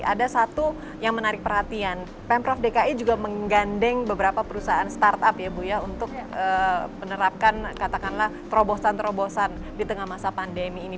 ada satu yang menarik perhatian pemprov dki juga menggandeng beberapa perusahaan startup ya bu ya untuk menerapkan katakanlah terobosan terobosan di tengah masa pandemi ini